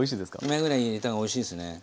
２枚ぐらい入れた方がおいしいですね。